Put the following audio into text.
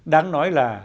đáng nói là